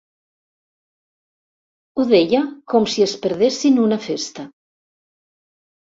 Ho deia com si es perdessin una festa.